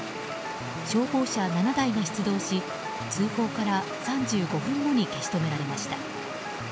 消防車７台が出動し通報から３５分後に消し止められました。